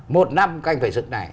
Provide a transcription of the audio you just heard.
một năm các anh phải dựng này